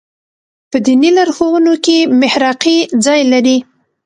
په دیني لارښوونو کې محراقي ځای لري.